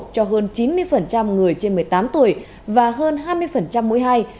cho hơn chín mươi người trên một mươi tám tuổi và hơn hai mươi mũi hai